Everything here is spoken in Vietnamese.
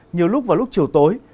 nhiều lúc vào lúc chiều tối